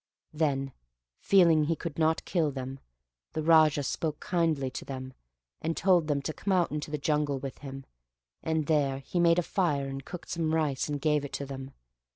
Then, feeling he could not kill them, the Raja spoke kindly to them, and told them to come out into the jungle with him; and there he made a fire and cooked some rice, and gave it to them.